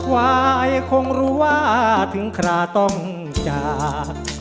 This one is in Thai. วายคงรู้ว่าถึงคราต้องจาก